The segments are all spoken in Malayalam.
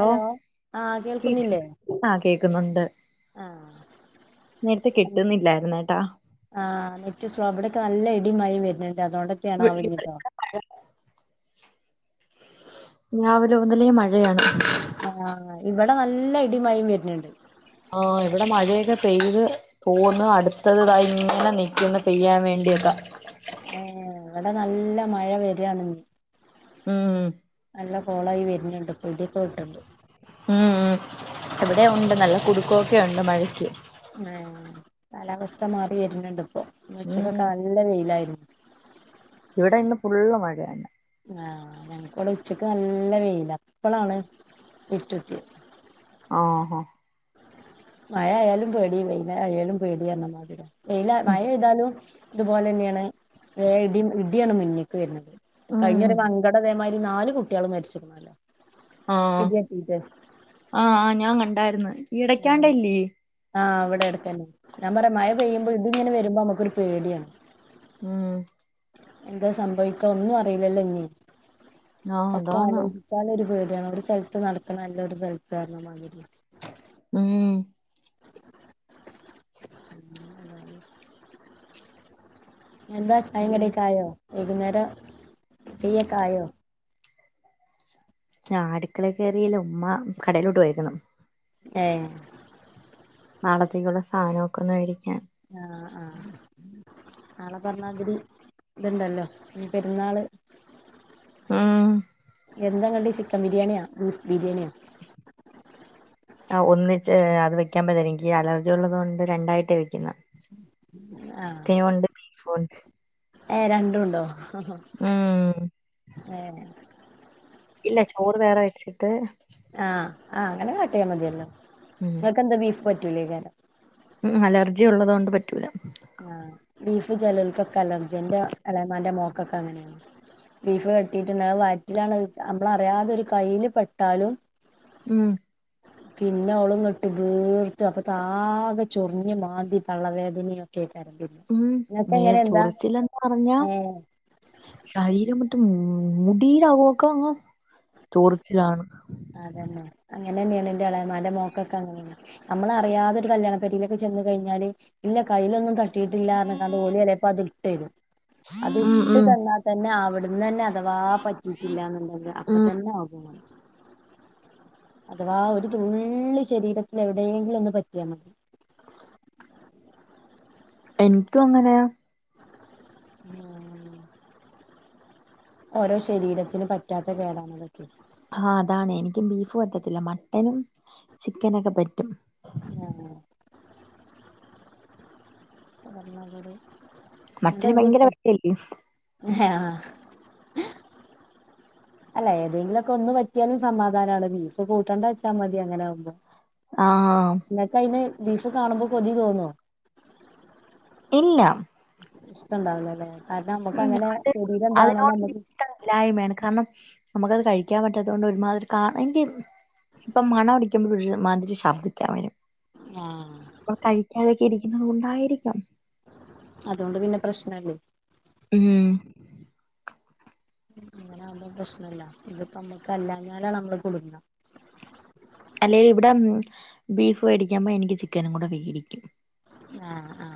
ഹലോ ആഹ് കേൾക്കുന്നില്ലേ ആഹ് കേക്കുന്നുണ്ട് ആ നേരത്തെ കിട്ടുന്നില്ലായിരുന്ന് കേട്ടാ ആഹ് നെറ്റ് സ്ലോ ഇവിടൊക്കെ നല്ല ഇട് ഇടിയും മഴയും വരണു ഇനി അതുകൊണ്ടൊറ്റെയാണോ ഇവി- [unintelligible] ഇവിടെ ഇനിയിപ്പോ മഴ. രാവിലെ മുതലേ മഴയാണ് ആഹ് ഇവിടെ നല്ല ഇടിയും മഴയും വരുന്നുണ്ട്. ആഹ് ഇവിടെ മഴയൊക്കെ പെയ്ത് തോന്നു അടുത്തതിതാ ഇങ്ങനെ നിൽക്കുന്നു പെയ്യാൻ വേണ്ടിയക്കാ ഏഹ് ഇവിടെ നല്ല മഴ വരികാണ് ഉം നല്ല കോളായി വരുന്നുണ്ട് ഇപ്പൊ ഇടിയൊക്കെ വെട്ടുണ്ട്. ഉം ഉം ഇവിടെയും ഉണ്ട് നല്ല കുടുക്കവൊക്കെ ഉണ്ട് മഴയ്ക്ക് ആ കാലാവസ്ഥ മാറി വരുന്നുണ്ട് ഇപ്പൊ ഇന്ന് ഉച്ചക്കൊക്കെ ഉം നല്ല വെയിലായിരുന്നു ഇവിടെ ഇന്ന് ഫുള്ള് മഴ തന്നെ ആഹ് ഞങ്ങക്കിവിടെ ഉച്ചക്ക് നല്ല വെയിലാ ഇപ്പളാണ് ഇരുട്ട് കുത്തിയെ ആഹ് ഹാ മഴയായാലും പേടി വെയിൽ ആയാലും പേടി തന്നെ [unintelligible] വെയില മഴ പെയ്താലും ഇതുപോലെ തന്നെയാണ് വേ ഇടി ഇടിയാണ് മുന്നേക്ക് വരുന്നത് കഴിഞ്ഞൊരു ഉം മങ്കട ഇതെ മാതിരി നാല് കുട്ടികൾ മരിച്ചുക്കുന്നോലെ ആഹ് ആഹ് ഞാൻ കണ്ട് ഉണ്ടായിരുന്നു ഇടക്കാണ്ടെ ഇല്ലേ ഇത് എട്ക്കെന്നെ ഞൻ പറ മഴ പെയ്യ്മ്പോ ഇടി ഇങ്ങനെ വരുമ്പോ അമ്മക്ക് ഒര് പേടിയാണ് ഉം എന്താ സംഭവിക്ക ഒന്നും അറിയില്ലല്ലോ ഇഞ് ആഹ് അപ്പ അതാണ് ആലോയിച്ചാൽ ഒര് പേടി [unintelligible] ഒര് സൽത്ത് നടക്ക്ന്നഅല്ല ഒര് സൽത്ത് പറഞ്ഞ മാതിരിയാ ഉം ഉ അതെ എന്താ ചായിം കടിം ഒക്കായോ വൈകുന്നേരം തീ ഒക്കെ ആയോ ആ അട്ക്കളെ കേറിയല്ലോ ഉമ്മ കടയിലോട്ട് പോയെക്ക്ന്ന് ഏ നാളത്തേക്കുള്ള സാനഒക്കെ ഒന്ന് വെടിക്കാൻ ആ ആ നാളെ പർഞ്ഞാതിരി ഇത്ണ്ടല്ലോ ഇഞ് പെര്ന്നാള് ഉം എന്താ കടി ചിക്കൻ ബിരിയാണിയാ ബീഫ് ബിരിയെണിയോ ആ ഒന്നിച്ച് അത് വെക്കുംപ്പത്തെര് ഇൻക് ഈ അലർജി ഉള്ളത് കൊണ്ട് രണ്ടായിട്ടേ വെക്ക്ന്നെ ആഹ് ചിക്കയുണ്ട് ബീഫും ഉണ്ട് ഏ രണ്ടും ഉണ്ടോ ആ ഹാ ഉം ഏ ഇല്ല ചോറ് വേറെ വെച്ചിട്ട് ആ ആ അങ്ങനെ കാട്ടിയാ മതിയല്ലോ ഉം ഇങ്ങക്ക് എന്താ ബീഫ് പറ്റ് റ്റുലെയ്ക്കാരം ഉം അലർജി ഉള്ളതോണ്ട് പറ്റൂല ആ ബീഫ് ചേലോൽക്ക് ഒക്കെ അലർജിയാ ഇന്റെ എളെമാന്റെ മോ കൊക്കെ അങ്ങനെയാ ബീഫ് തട്ടീട്ട് ഇണ്ടെ ആ വയറ്റിലാണ് അഹ്‌ നമ്മൾ അറിയാതെ ഒര് കയിൽ പെട്ടാലും ഉം പിന്നെ ഓൾ ഇങ്ങട്ട് ബീർത്ത് അപ്പൊത്താ ആകെ ചൊർഞ്ഞ് മാന്തി പള്ള വേദനാ ഉം മേ ചൊറിച്ചില്ലെന്ന് പറഞ്ഞാ ഏഹ് ശരീരം മൂടിലാവോക്കാ ചൊർച്ചിലാണ് അതെന്നെ അങ്ങനെന്നേണ് ഇന്റെ എളേമാന്റെ മോക്കൊക്കെ അങ്ങനെയാണ് നമ്മളറിയാതൊരു കല്യാണ പെരീലൊക്കെ ചെന്ന് കഴിഞ്ഞാല് ഇല്ല കയിലൊന്നും തട്ട് ട്ടിട്ടില്ല പർണ് കാണ്ട് ഓൽ ചേലെപ്പം അത് ഇട് ട്ടെരും അത് ഉം ഇട്ട് ഉം തന്നാ തന്നെ ആവ് വ്ട്ന്ന് എന്നെ അഥവാ പറ്റിയിട്ടില്ലാന്ന് ഇണ്ടെങ്കി അപ്പൊ ഉം തന്നെ [unintelligible] അഥവാ ഒരു തുള്ളി ശരീരത്തിൽ എവിടെയെങ്കിലും ഒന്ന് പറ്റിയാൽ മതി എനിക്കും അങ്ങനെയ ഓരോ ശരീരത്തിന് പറ്റാത്ത കേടാണ് അതൊക്കെ ആ അതാണ് എനിക്കും ബീഫ് പറ്റത്തില്ല മട്ടനും ചിക്കനൊക്കെ പറ്റും ആ പറഞ്ഞതല് മട്ടില് ഭയങ്കര [unintelligible] യല്യോ ആഹ് അല്ല ഏതെങ്കിലുംക്കെ ഒന്ന് പറ്റിയാലുംസമാധാനമാണ് ബീഫ് കൂട്ടണ്ടച്ചാ മതി അങ്ങനെ ആകുമ്പോ ആഹ് ന്നക്കയ്ന് ബീഫ് കാണുമ്പോ കൊതി തോന്നോ ഇല്ല ഇഷ്ടണ്ടാവുലലേ കാരണം ഉം നമ്മക്കങ്ങനെ അത് അതിനോടൊരു ചെടീലണ്ടാവ്ണോണ്ടമ്മക്ക് ഇഷ്ടമില്ലായ്മയാണ് കാരണം നമുക്കത് കഴിക്കാൻ പറ്റാത്ത കൊണ്ട് ഒരുമാതിരി കാ എൻക് ഇപ്പം മണം അടിക്കുമ്പോ ഒരുമാതിരി ശബ്ദിക്കാൻ വരും ആഹ് കഴിക്കാതെ ഇരിക്കുന്നത് കൊണ്ടായിരിക്കാം അതുകൊണ്ട് പിന്നെ പ്രശ്നല്ലേ ഊം അങ്ങനെ ആകുമ്പോ പ്രശ്നല്ല ഇതിപ്പോ നമ്മക്ക് അല്ലഞ്ഞാലാണ് നമ്മള് കുടുങ്ങ അല്ലേലും ഇവിടെ ബീഫ് വേടിക്കാമ്പോ എനിക്ക് ചിക്കനും കൂടെ വേടിക്കും ആ ആ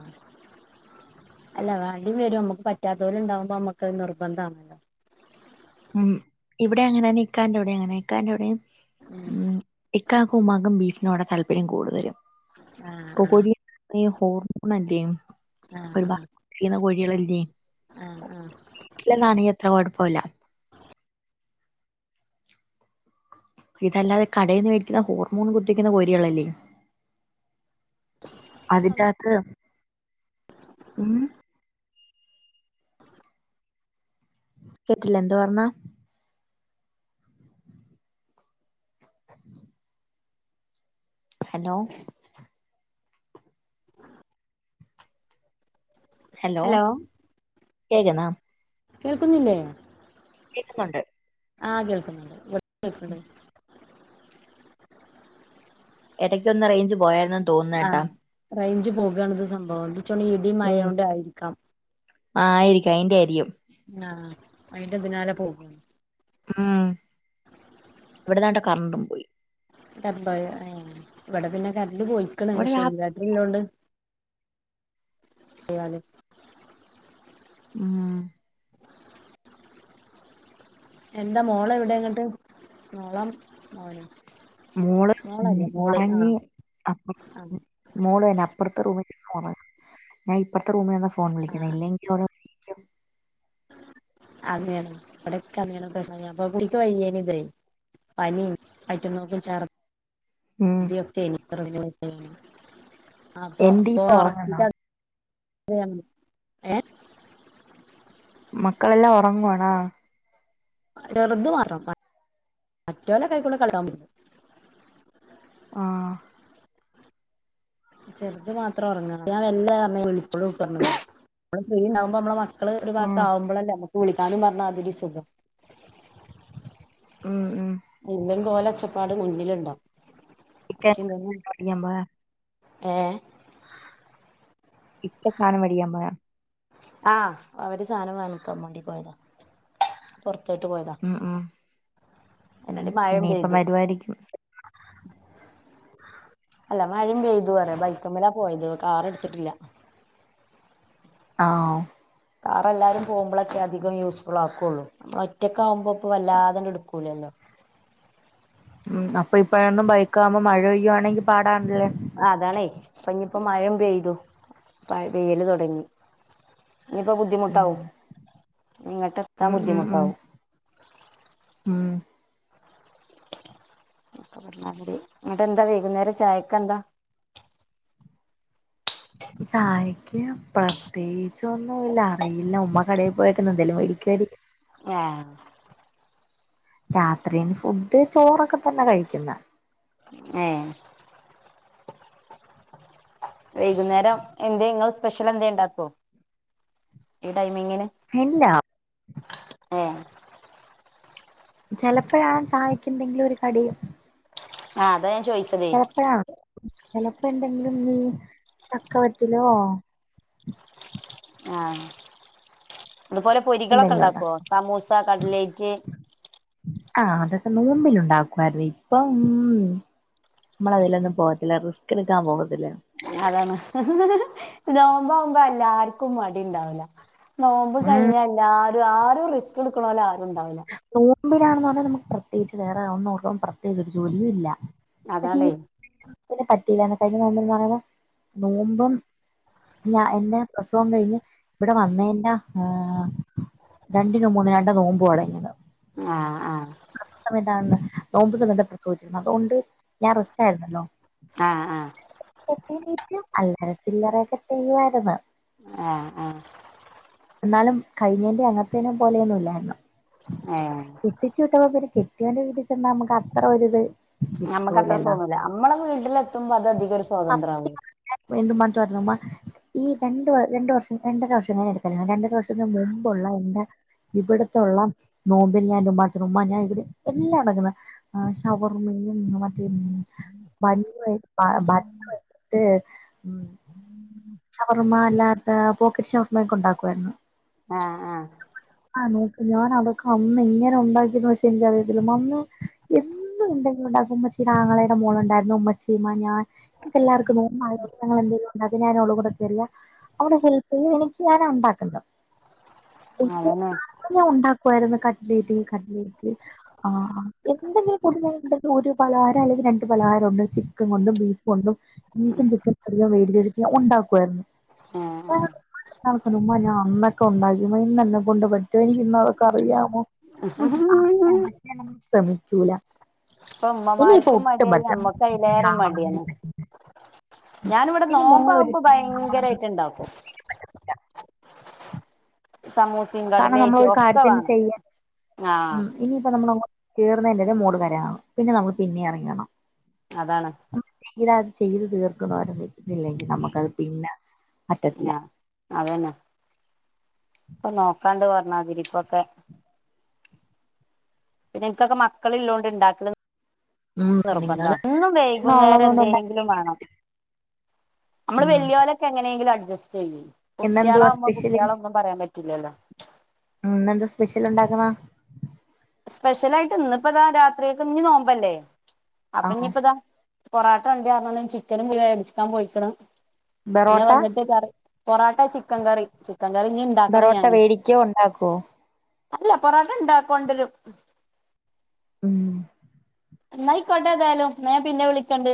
അല്ല വാണ്ടംവരും മ്മക്ക് പറ്റാത്തോല്ണ്ടവുമ്പ മ്മക്കത്‌ നിർബന്ധ ആണല്ലോ ഉം ഇവിടെ അങ്ങനെയന്നെ ഇക്കാൻന്റെവിടെ അങ്ങനെ ക്കാൻന്റെവിടെയും ഉം ഇ ഇക്കാക്കും ഉമാകും ബീഫിനോട്ടൊല്പര്യം കൂടുതലും ആഹ് കൊക്കോഴി ഈ [unintelligible] കിം ആഹ് ആഹ് ഒരു ബാ കോഴി ഇളെന്തിയെ ആഹ് ആഹ് ആഹ് ട്ടിലെ നനിയ ത്രപാടും പോലാം ഇതല്ലാതെ കടേന്ന് വേടിക്കുന്ന ഹോർമോൺ കുത്തിക്കുന്ന കോരികളല്ലേ അതിന്റെകത്ത് ഉം കേട്ടില്ല എന്തോ പറഞ്ഞാ ഹലോ ഹലോ കേക്ന്നാ കേൾക്കുന്നില്ലേ? കേക്കുന്നുണ്ട് ആഹ് കേൾക്കുന്നുണ്ട് കേൾക്കണ്ട് എടയ്ക്കൊന്ന് റേഞ്ച് പോയാർന്ന് തോന്നേ ട്ടാ റയ്ഞ്ച് പോകാണ് ഇത് സംഭവം. ച്ച് തൊണീം ഇടിം മയിം ഉം കൊണ്ടായിരിക്കാം ആയിരിക്കും അയിന്റെ ആയിരിക്കും. ആഹ് അയിന്റെ ഇതിനാലെ പോകും ഉം ഇവിടന്നട്ട് കറണ്ടും പോയി [unintelligible] ഇവിടെ പിന്നെ കര ണ്ട് പോയിക്ക്ണ് ഇവിടെ പഷേ രാ ഇൻവെർട്ടറ്ള്ളോണ്ട് [unintelligible] മ് എന്താ മോള് എവടെ ഇന്നട്ട് മോളോ മോനോ? മോള് മോളല്ലേ മോള് ഒറങ്ങി ആഹ് അപ്പ ആഹ് മോള് തന്ന [unintelligible] ഇപ്പറത്തെ റൂമിൽ നിന്ന ഫോൺ വിളിക്കുന്നെ ഇല്ലെങ്കി [unintelligible] അങ്ങനെ ഇവിടൊക്കെ അങ്ങനെ പ്രശ്നം കുട്ടിക്ക് വയ്യേനിം ഇതെയ് പനിം വയറ്റിന്നോക്കും ഛർദി ഉം [unintelligible] [unintelligible] എന്തിപ്പ ഒറങ്ങുന്നോ? ഏ മക്കളെല്ലാം ഒറങ്ങുവാണാ? ചെറുത് മാത്രം മറ്റോലൊക്കെ അയ്ക്കൂടെ കളി ആഹ് ചെറുത് മാത്രം ഉറങ്ങാണൊ? [unintelligible] നമ്മള് ഫ്രീണ്ടാവുമ്പോ നമ്മളെ മക്കള് ഒരു ഭാഗത്ത് ആഹ് ആവുംപോളല്ലേ നമ വിളിക്കാനും പറഞ്ഞാതിരി സുഖം ഉം ഉം ഇല്ലെങ്കിൽ ഓലെ ഒച്ചപ്പാട് മുന്നിലുണ്ടാവും [unintelligible] ഏ [unintelligible] ആഹ അവര് സാധനം വങ്ങിക്കാൻ വേണ്ടി പോയതാ പൊർ ഉം ഉം അതിനിടെ മഴയും ഇനിയിപ്പോ പെയ്തു വരവായിരിക്കും. അല്ല മഴയും പെയ്തു വരെ ബൈക്കും മേലെയാ പോയത് കാർ എടുത്തിട്ടില്ല. ആഹ് കാറ് എല്ലാരും പോകുമ്പോളൊക്കെ അധികം യൂസ്ഫുൾ ആക്കുള്ളൂ, ഒറ്റയ്ക്കാവുമ്പോ ഇപ്പൊ വല്ലാതെ അങ്ങ് എടുക്കൂലല്ലോ. ഉം അപ്പൊ ഇപ്പോഴൊന്നും ബൈക്ക് ആകുമ്പോ മഴ പെയ്യു ആണെങ്കിൽ പാടാണല്ലേ. അതാണേ ഇപ്പൊ ഇനിയിപ്പോ മഴയും പെയ്തു മഴ പെയ്യല് തുടങ്ങി. ഇനിയിപ്പോ ഉം ബുദ്ധിമുട്ടാവും. ഇങ്ങോട്ട് എത്താൻ ഉം ഉം ഉം ബുദ്ധിമുട്ടാവും. ഉം അവരെ അങ്ങോട്ട് എന്താ വൈകുന്നേരം ചായക്ക് എന്താ. ചായക്ക് പ്രത്യേകിച്ചൊന്നുമില്ല. [unintelligible] ഉമ്മ കടയിൽ പോയേക്കുന്നു എന്തേലും മേടിക്കുവായിരിക്കും. ഏഹ് രാത്രിന് ഫുഡ് ചോറൊക്കെ തന്നെ കഴിക്കുന്ന. ഏഹ് വൈകുന്നേരം എന്ത നിങ്ങള് സ്പെഷ്യൽ എന്ത ഉണ്ടാക്കോ? ടൈമിങ്ങിന് ഇല്ല ഏഹ് ചിലപ്പോഴാണാൻ സഹായിക്കും എന്തെങ്കിലും ഒരു കടിയും ആഹ് അതെ ചോയിച്ചതേ ചിലപ്പോ എന്തെങ്കിലും നീ ചക്കവറ്റിലോ ആഹ് അതുപോലെ പൊരികളൊക്കെ എന്തെങ്കിലും ഉണ്ടാക്കും ഉണ്ടാക്കുവോ സമൂസ കടലേറ്റ് ആഹ് അതൊക്കെ നോമ്പിനു ഉണ്ടാക്കുവായിരുന്നു ഇപ്പം നമ്മൾ അതിലൊന്നും പോകത്തില്ല റിസ്ക് എടുക്കാൻ പോകത്തില്ല അതാണ് നോമ്പാവുമ്പോ എല്ലാർക്കും മടി ഉണ്ടാവല നോമ്പ് ഉം കൈയിലല്ല ആര് റിസ്ക് എടുക്കണല്ലോ ഉണ്ടാവില്ല മുന്നിലാണെന്ന് പറഞ്ഞാൽ നമു പ്രത്യേകിച്ച് വേറെ ഒന്നും ഒർക്കാൻ പ്രത്യകച്ച് ഒരു ജോലിയും ഇല്ല പക്ഷെ അതാണേ [unintelligible] [unintelligible] നോമ്പ് പറയുന്നത് നോമ്പും ഞ എന്റെ പ്രസവം കഴിഞ്ഞ് ഇവിടെ വന്ന എന്റെ രണ്ടിനു മൂന്നും എങ്ങാണ്ടോ നോമ്പും തോട ആഹ് സമയത്താണ് നോമ്പ് സമയത്താ പ്രസവിച്ചത് അതുകൊണ്ട് ഞാൻ റസ്റ്റ് ആരുന്നല്ലോ ആ [unintelligible] അല്ലറ ചില്ലറയൊക്കെ ചെയ്യുവാരുന്നു ആ ആ എന്നാലും കഴിഞ്ഞേൻറെ അങ്ങത്തേനെ പോലെയൊന്നും ഇല്ലാരുന്നു ഏ കെട്ടിച്ചു വിട്ടപം പിന്നെ കെ കെട്ടിയോന്റെ വീട്ടിൽ ചെന്നാ നമുക്ക് അത്ര ഒരുരിത് നമ്മക്ക് അത്ര തോന്നൂല നമ്മളെ വീട്ടിലെത്തുമ്പോ അത് അധികം ഒരു സ്വാതന്ത്ര്യം ആവും. വീണ്ടും പണ്ട് പറഞ്ഞമ്മ ഈ രണ്ട് വ രണ്ടു വർഷം രണ്ടര വർഷം കഴിഞ്ഞൻറ് കല്യാണം രണ്ടര വർഷത്തിന് മുമ്പുള്ള എന്റെ ഇവിടത്തുള്ള നോമ്പെല്ലാം എന്റെ ഉമ്മാടുത്തുന്നു. ഉമ്മാ ഞാൻ ഇവിടെ എല്ലാം ഉണ്ടാക്കുന്നാ ആ ഷവർമ്മയും മന്തിയും ബൺ വച്ച് ബട്ടർ വച്ചിട്ട് ഉം ഷവർമ്മ അല്ലാത്ത പോക്കറ്റ് ഷവർമ്മ ഒക്കെ ഉണ്ടാക്കുവായിരുന്നു. ആ ആ ആ നോക്ക് ഞാൻ അതൊക്കെ അന്ന് എങ്ങനെ ഉണ്ടാക്കിതെന്ന് പക്ഷെ എനിക്കറിയത്തില്ല. അന്ന് എന്നും എന്തുണ്ടെങ്കിലും ഉണ്ടാക്കും ഉമ്മച്ചീടെ ആങ്ങളെടെ മോളുണ്ടായിരുന്നു ഉമ്മച്ചീമ്മ ഞാൻ ഞങ്ങക്കെല്ലാർക്കും നോമ്പായതുകൊണ്ട് ഞങ്ങൾ രണ്ടു പേരും ഉണ്ടാക്കും, ഞാനും ഓളും കു ചെറിയ അവളു ഹെൽപ് ചെയ്യും എനിക്ക് ഞാനാ ഉണ്ടാക്കുന്ന അതന്നെ [unintelligible] ഉണ്ടാക്കുആയിരുന്നു ക കട്ട്ലേറ്റ്, കട്ലേറ്റ് ആ എന്തെങ്കിലും പുതുമയുള്ള എന്തെങ്കിലും ഒരു പലഹാരം അല്ലെങ്കിൽ രണ്ട് പലഹാരം ഉണ്ട് ചിക്കൻ കൊണ്ടും ബീഫ് കൊണ്ടും ബീഫും ചിക്കനും അധികോം വേണ്ടിവരും ഉണ്ടാക്കു ക്കു ആയിരുന്നു. ആ [unintelligible] ഉമ്മാ ഞാൻ അന്ന് എന്തൊക്കെ ഉണ്ടാക്കി ഉമ്മാ ഇന്ന് എന്നെ കൊണ്ടു പറ്റുമെങ്കി ഇന്നതൊക്കെ അറിയാമോ? ആ ശ്രമിക്കൂല ഇപ്പൊ ഇനിയിപ്പോ ഉമ്മമാർക്കും ഒട്ടും മടിയായി പറ്റൂല്ല അമ്മക്ക് അയിലേറെ മടിയാണ് ഇനി മോളൊരു ങ്കരായിട്ട് ഉണ്ടാക്കും കാരണം നമ്മൾ കടലേറ്റും ഒരു ഒക്കെ കാര്യത്തിന് വേണം ചെയ്യാൻ ആഹ് ഉം ഇനിയിപ്പ നമ്മൾ തീർന്നതിന്റെറ ഒരു മൂടു നേരെയാകണം. പിന്നെ നമ്മള് പിന്നേം ഇറങ്ങണം അതാണ് ഇതാ അത് ചെയ്ത് തീർക്കുന്നവരെ വ തില്ലെങ്കിൽ നമുക്കത് പിന്നെ പറ്റത്തില്ല ഞാ അത് നോക്കാണ്ട് പറഞ്ഞാതിരിപ്പൊക്കെ പിന്നെ എനിക്കൊക്കെ മക്കളില്ലോണ്ട് ഉണ്ടാക്ക്ണത് ഉം നിർബന്ധാ നിങ്ങള് എന്നും അച്ഛനും ഉള്ളത് വൈകുന്നേരം കൊണ്ടുണ്ടാ എന്തേങ്കിലും വേണം നമ്മള് ഉം വലിയോലൊക്കെ എങ്ങനെയെങ്കിലും അഡ് ഇന്നെന്തുവാ സ്പെഷ്യല് പറയാൻ പറ്റില്ലല്ലോ ഇന്നെന്തുവാ സ്പെഷ്യൽ ഉണ്ടാക്ക്ന്നേ? സ്പെഷ്യലായിട്ട് ഇന്ന് ഇപ്പ ഇതാ രാത്രിയേക്ക് ഇഞ്ഞ് നോമ്പല്ലേ ആ അപ്പൊ ഇനിയിപ്പതാ പൊറാട്ട ഇണ്ട്പറഞ്ഞതും ചിക്കനും മേടിച്ചിക്കാൻ പോയിക്ക്ണ് ഇനി അത് ബെറോട്ട വന്നിട്ട് കറി പൊറാട്ട ചിക്കൻ കറി ച്ചി ബറോട്ട വേടിക്കോ ഉണ്ടാക്കോ അല്ല പൊറാട്ട ണ്ടാ കൊണ്ടരും ഉം ന്നയിക്കൊട്ടേ ഏതാലും ഞാൻ പിന്നെ വിളിക്കണ്ട്